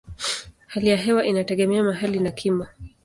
Hali ya hewa inategemea mahali na kimo.